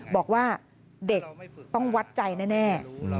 บอกว่าเด็กต้องวัดใจแน่